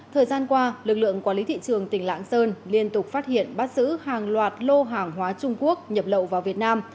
thời gian qua lực lượng quản lý thị trường tỉnh lạng sơn liên tục phát hiện bắt giữ hàng loạt lô hàng hóa trung quốc nhập lậu vào việt nam